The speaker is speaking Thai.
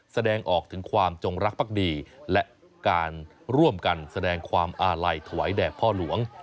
แสดงออกถึงความจงรักภักดีและการร่วมกันแสดงความอาลัยถวายแด่พ่อหลวง